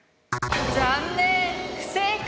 残念不正解！